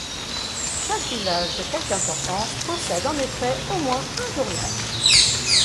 Chaque village de quelque importance possède en effet au moins un journal.